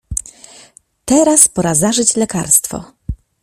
Teraz pora zażyć lekarstwo!